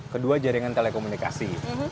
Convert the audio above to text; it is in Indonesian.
kedua jaringan telekomunikasi